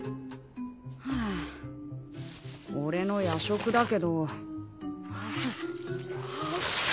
ハァ俺の夜食だけど。